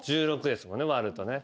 １６ですもんね割るとね。